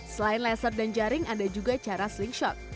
selain laser dan jaring ada juga cara slingshot